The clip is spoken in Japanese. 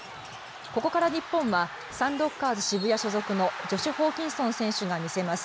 ここから日本はサンロッカーズ渋谷所属のジョシュホーキンソン選手が見せます。